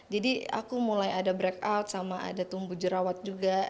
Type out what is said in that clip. jadi aku mulai ada breakout sama ada tumbuh jerawat juga